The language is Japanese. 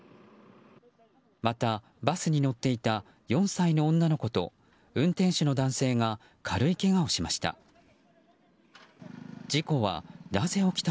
また、バスに乗っていた４歳の女の子と運転手の男性が軽いけがをしました。